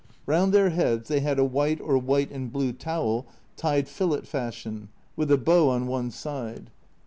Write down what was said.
Round their heads they had a white or white and blue towel tied fillet fashion, with a bow on one side.